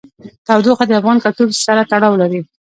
تودوخه د افغان کلتور سره تړاو لري.